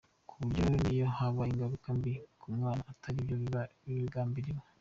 ku buryo n’iyo haba ingaruka mbi ku mwana, atari byo biba bigambiriwe